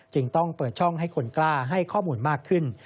จึงต้องเปิดช่องให้คนกล้าให้ข้อมูลมากขึ้น